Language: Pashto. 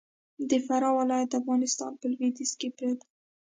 د فراه ولايت د افغانستان په لویدیځ کی پروت دې.